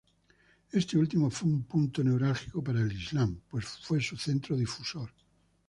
Este último fue un punto neurálgico para el islam, pues fue su centro difusor.